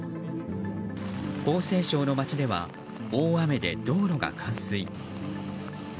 江西省の街では大雨で道路が冠水。